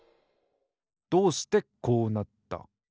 どうしてこうなった？